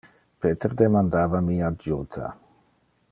Peter demandava mi adjuta.